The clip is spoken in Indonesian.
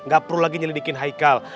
gak perlu lagi nyelidikin haikal